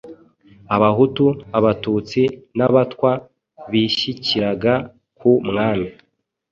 Abahutu, Abatutsi n'Abatwa bishyikiraga ku mwami.